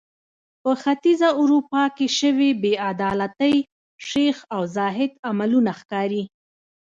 په ختیځه اروپا کې شوې بې عدالتۍ شیخ او زاهد عملونه ښکاري.